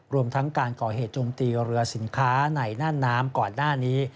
รวมทั้งการก่อเหตุจมตีเรือสินค้าในน่านน้ำก่อนหน้านี้